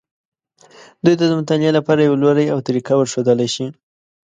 دوی ته د مطالعې لپاره یو لوری او طریقه ورښودلی شي.